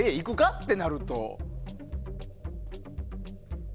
ってなると。